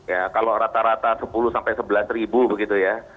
ya kalau rata rata sepuluh sampai sebelas ribu begitu ya